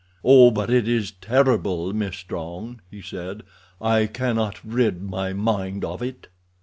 "Oh, but it is terrible, Miss Strong," he said. "I cannot rid my mind of it."